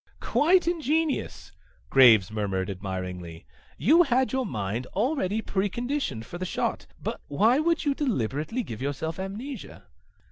"Quite ingenious," Graves murmured admiringly. "You had your mind already preconditioned for the shot. But why would you deliberately give yourself amnesia?"